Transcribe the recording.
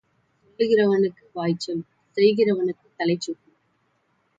சொல்லுகிறவனுக்கு வாய்ச்சொல், செய்கிறவனுக்கு தலைச்சுமை.